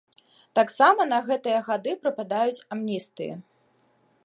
Таксама на гэтыя гады прыпадаюць амністыі.